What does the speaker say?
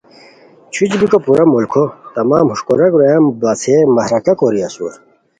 چھوچی بیکو پورا ملکھو تمام ہوݰ کوراک رویان بڑاڅھئے مہرکہ کوری اسور